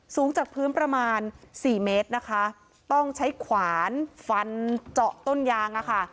สูงจากพื้นประมาณสี่เมตรนะคะต้องใช้ขวานฟันเจาะต้นยางอ่ะค่ะ